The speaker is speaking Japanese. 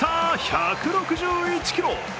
１６１キロ。